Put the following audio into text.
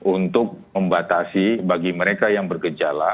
untuk membatasi bagi mereka yang bergejala